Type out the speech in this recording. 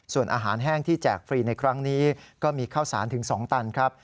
ส่วนอาหารแห้งที่แจกฟรีในครั้งนี้ก็มีข้าวสารถึง๒ตันครับ